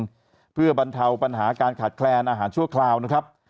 จะได้ไล่เคียงเพื่อบรรเทาปัญหาการขาดแคลนอาหารชั่วคร่าวนะครับ